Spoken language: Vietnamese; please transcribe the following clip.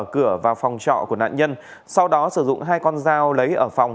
cửa vào phòng trọ của nạn nhân sau đó sử dụng hai con dao lấy ở phòng